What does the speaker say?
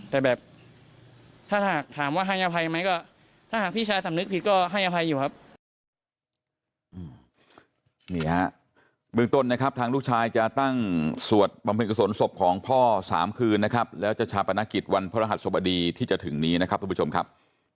แต่แบบถ้าหากถามว่าให้อภัยไหมก็ถ้าหากพี่ชายสำนึกผิดก็ให้อภัยอยู่ครับทุกผู้ชมครับ